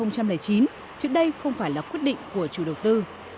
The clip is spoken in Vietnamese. trước đây không phải là quyết định của chủ đầu tư